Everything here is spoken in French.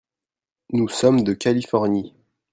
Nous sommes de Californie.